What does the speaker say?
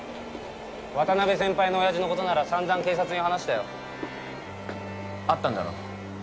渡辺先輩の親父のことなら散々警察に話したよ会ったんだろ？